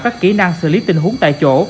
các kỹ năng xử lý tình huống tại chỗ